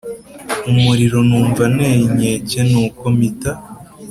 Umuriro numva anteye inkeke nuko mpita